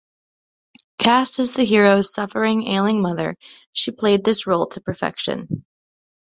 Cast as the hero's suffering, ailing mother, she played this role to perfection.